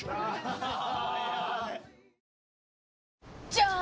じゃーん！